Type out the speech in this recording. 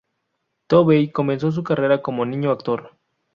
Tovey comenzó su carrera como niño actor.